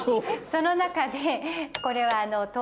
その中でこれは。